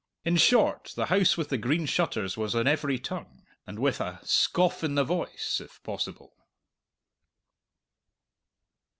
In short, the House with the Green Shutters was on every tongue and with a scoff in the voice, if possible.